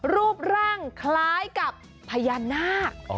รูปร่างคล้ายกับพญานาค